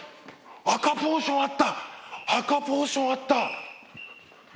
赤ポーションあった赤ポーションあった！